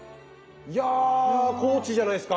いや高知じゃないっすか？